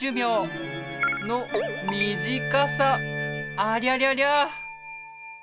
ありゃりゃりゃ。